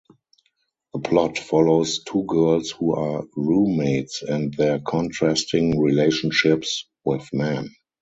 The plot follows two girls who are roommates and their contrasting relationships with men.